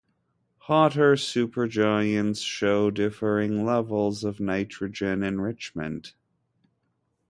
Hotter supergiants show differing levels of nitrogen enrichment.